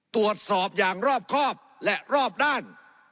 ตรวจสอบอย่างรอบครอบและรอบด้าน